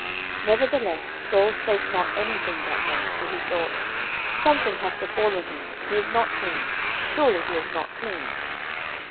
09:020:026 Nevertheless Saul spake not any thing that day: for he thought, Something hath befallen him, he is not clean; surely he is not clean.